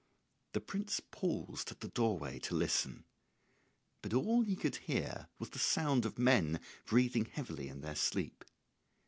] The prince paused at the doorway to listen, but all he could hear was the sound of men breathing heavily in their sleep.